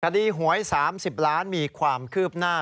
คดีหวย๓๐ล้านมีความคืบหน้า